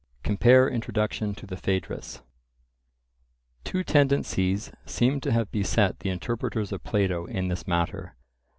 (Compare Introduction to the Phaedrus.) Two tendencies seem to have beset the interpreters of Plato in this matter.